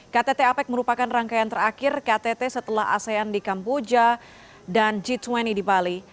ktt apec merupakan rangkaian terakhir ktt setelah asean di kamboja dan g dua puluh di bali